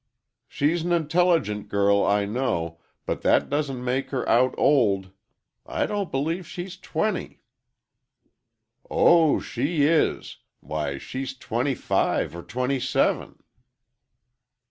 "She's an intelligent girl, I know, but that doesn't make her out old. I don't believe she's twenty." "Oh, she is! Why, she's twenty five or twenty seven!"